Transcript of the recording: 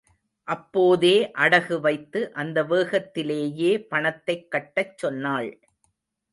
அப்போதே, அடகு வைத்து, அந்த வேகத்திலேயே பணத்தைக் கட்டச் சொன்னாள்.